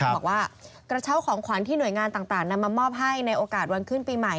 บอกว่ากระเช้าของขวัญที่หน่วยงานต่างนำมามอบให้ในโอกาสวันขึ้นปีใหม่